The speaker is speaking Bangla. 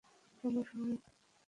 চলো, সবাই।